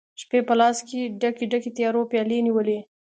شپي په لاس کې ډکي، ډکي، د تیارو پیالې نیولي